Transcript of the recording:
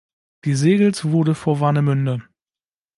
Gesegelt wurde vor Warnemünde.